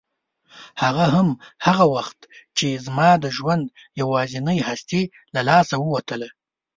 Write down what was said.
هغه هم هغه وخت چې زما د ژوند یوازینۍ هستي له لاسه ووتله.